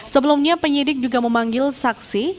sebelumnya penyidik juga memanggil saksi